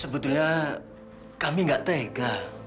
sebetulnya kami nggak tega